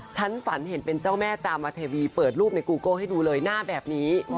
ฉันฝันเห็นเป็นเจ้าแม่จามเทวีเปิดรูปในกูโก้ให้ดูเลยหน้าแบบนี้